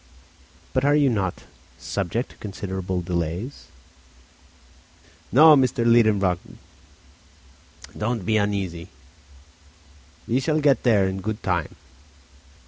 "But are you not subject to considerable delays?" "No, M. Liedenbrock, don't be uneasy, we shall get there in very good time."